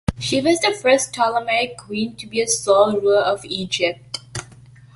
She was the first Ptolemaic queen to be a sole ruler of Egypt.